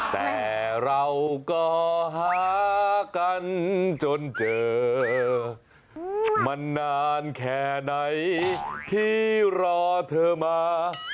แต่เราก็หากันจนเจอมานานแค่ไหนที่รอเธอมา